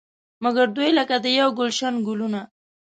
مګر دوی لکه د یو ګلش ګلونه.